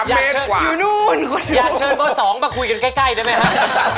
อยากเชิญอยู่นู่นอยากเชิญเบอร์๒มาคุยกันใกล้ได้ไหมครับ